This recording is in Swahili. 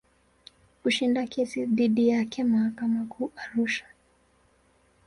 Kushinda kesi dhidi yake mahakama Kuu Arusha.